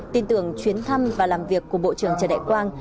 tin tưởng chuyến thăm và làm việc của bộ trưởng trần đại quang